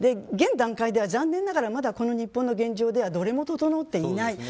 現段階では残念ながら日本の現状ではどれも整っていない。